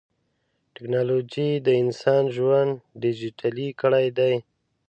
ټکنالوجي د انسان ژوند ډیجیټلي کړی دی.